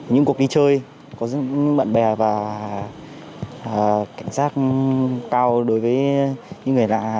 những cuộc đi chơi có những bạn bè và cảnh sát cao đối với những người nạn